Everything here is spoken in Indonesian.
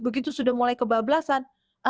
begitu sudah mulai kebablasan